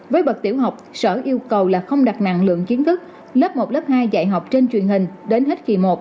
với bậc tiểu học sở yêu cầu là không đặt năng lượng kiến thức lớp một lớp hai dạy học trên truyền hình đến hết kỳ một